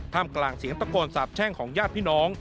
กลางเสียงตะโกนสาบแช่งของญาติพี่น้อง